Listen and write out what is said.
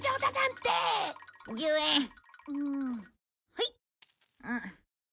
はい。